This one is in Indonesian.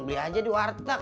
beli aja di warteg